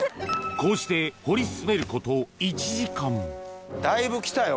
こうして掘り進めること１時間だいぶ来たよ